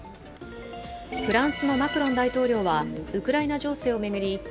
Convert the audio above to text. フランスのマクロン大統領はウクライナ情勢を巡り